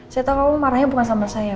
saya tahu kamu marahnya bukan sama saya